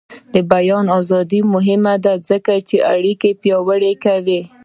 د بیان ازادي مهمه ده ځکه چې اړیکې پیاوړې کوي.